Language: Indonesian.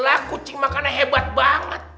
lah kucing makanan hebat banget